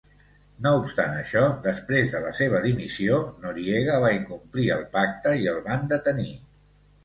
No obstant això, després de la seva dimissió, Noriega va incomplir el pacte i el van detenir.